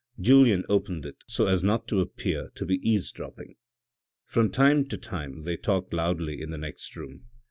Julien opened it so as not to appear to be eavesdropping. From time to time they talked loudly in the next room.